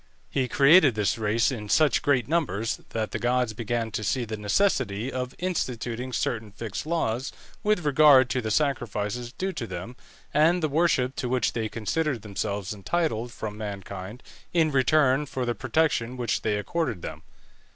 He created this race in such great numbers that the gods began to see the necessity of instituting certain fixed laws with regard to the sacrifices due to them, and the worship to which they considered themselves entitled from mankind in return for the protection which they accorded them.